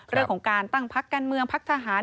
เรื่องของการตั้งพักการเมืองพักทหาร